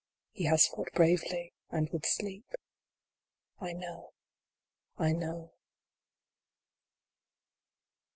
He has fought bravely, and would sleep. 1 know, I know.